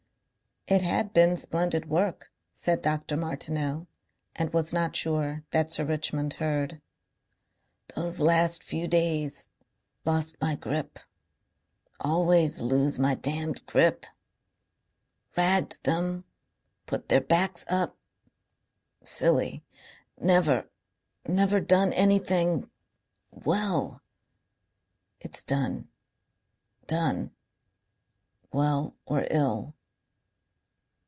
"It had been splendid work," said Dr. Martineau, and was not sure that Sir Richmond heard. "Those last few days... lost my grip... Always lose my damned grip. "Ragged them.... Put their backs up....Silly.... "Never.... Never done anything WELL.... "It's done. Done. Well or ill....